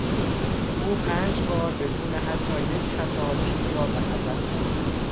او پنج بار بدون حتی یک خطا تیر را به هدف زد.